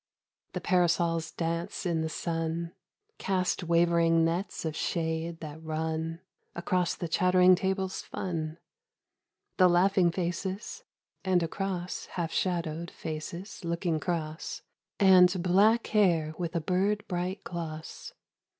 The parasols dance in the sun Cast wavering nets of shade that run Across the chattering table's fun, The laughing faces, and across Half shadowed faces looking cross, And black hair with a bird bright gloss.